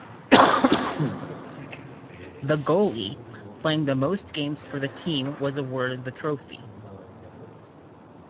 The goalie playing the most games for the team was awarded the Trophy.